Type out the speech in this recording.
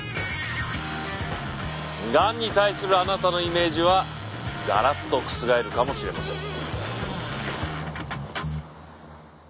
がんに対するあなたのイメージはがらっと覆るかもしれません。